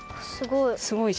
すごい。